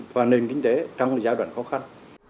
và nền kinh tế trong giai đoạn khó khăn